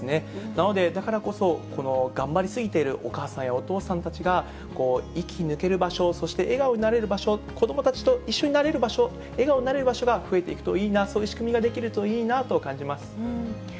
なので、だからこそ、この頑張り過ぎているお母さんやお父さんたちが息抜ける場所、そして笑顔になれる場所、子どもたちと一緒になれる場所、笑顔になれる場所が増えていくといいな、そういう仕組みができるといいなと感じます。